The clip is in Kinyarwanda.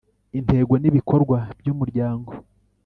Intego n ibikorwa by umuryango